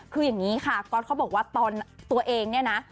คืออย่างนี้ค่ะก๊อตเขาบอกว่าตอนตัวเองเนี่ยนะ